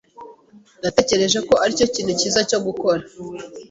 Natekereje ko aricyo kintu cyiza cyo gukora.